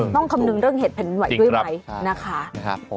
ต้องคำนึงเรื่องเหตุผ่านดินไหวด้วยไหมจริงครับนะครับ